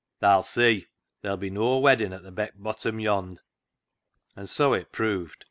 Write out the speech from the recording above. " Tha'll see, there'll be noa weddin' at th' Beck Bottom yond'." And so it proved.